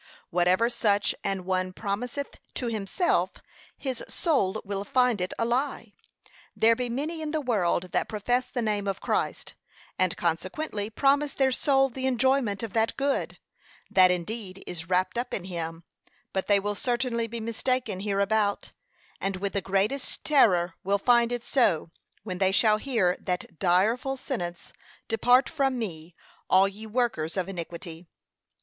Whatever such an one promiseth to himself, his soul will find it a lie. There be many in the world that profess the name of Christ, and consequently promise their soul the enjoyment of that good, that indeed is wrapt up in him, but they will certainly be mistaken hereabout, and with the greatest terror will find it so, when they shall hear that direful sentence, 'Depart from me, all ye workers of iniquity.'